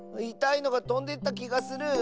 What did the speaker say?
いたいのがとんでったきがする！